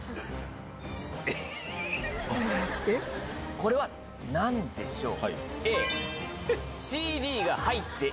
これは何でしょう？